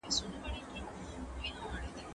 د سولي راوستل د هوساینې په ګټه دي.